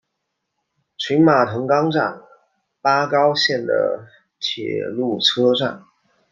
群马藤冈站八高线的铁路车站。